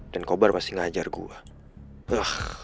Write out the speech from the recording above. dan cobar pasti ngajar gue